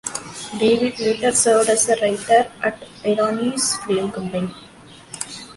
David later served as a writer at Irani's film company.